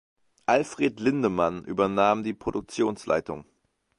Alfred Lindemann übernahm die Produktionsleitung.